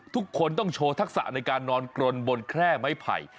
ทุกคนต้องโชว์ทักษะในการนอนกรนบนแคร่ไม้ไผ่